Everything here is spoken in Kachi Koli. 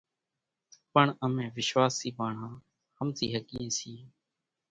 پڻ امين وشواسي ماڻۿان ۿمزي ۿڳيئين سيئين،